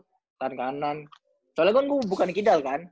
pakai tangan kanan soalnya kan gue bukan di kidal kan